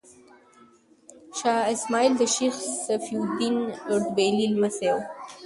شاه اسماعیل د شیخ صفي الدین اردبیلي لمسی و.